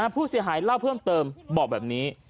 ผู้เสียหายเล่าเพิ่มเติมบอกแบบนี้